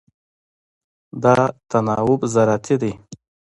دا تناوب زراعتي دی.